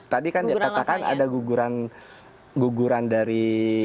tadi kan dikatakan ada guguran dari